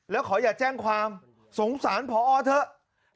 แล้วขออย่าแจ้งความสงสารพอเถอะ